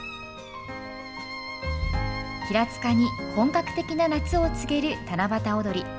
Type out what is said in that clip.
平塚に本格的な夏を告げる七夕おどり。